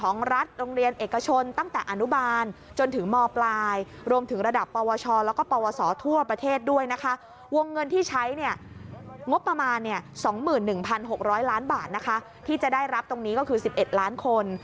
งบประมาณ๒๑๖๐๐ล้านบาทที่จะได้รับตรงนี้ก็คือ๑๑ล้านคน